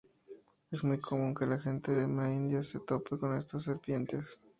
Es muy común que la gente de la India se tope con estas serpientes.